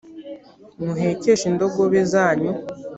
muhekeshe indogobe zanyu